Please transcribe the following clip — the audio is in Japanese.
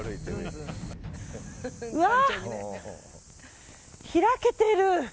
うわー！開けてる。